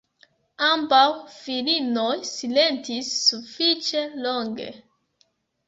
Ambaŭ virinoj silentis sufiĉe longe.